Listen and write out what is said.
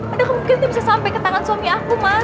ada kemungkinan bisa sampai ke tangan suami aku mas